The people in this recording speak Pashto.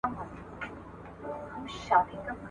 د ښوونځيو په جوړېدو سره به د سواد کچه ډېره لوړه سوي وي.